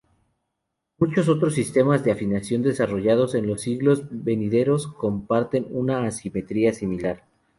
Muchos otros sistemas de afinación desarrollados en los siglos venideros, comparten una asimetría similar.